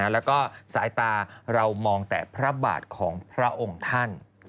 แล้วก็สายตาเรามองแต่พระบาทของพระองค์ท่าน